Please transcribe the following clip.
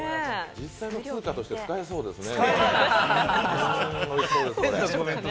実際の通貨として使えそうですね。